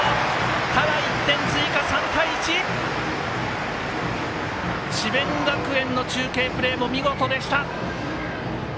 ただ、１点追加、３対１！智弁学園の中継プレーも見事でした。